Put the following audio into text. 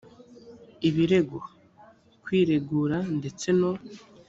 ibirego kwiregura ndetse no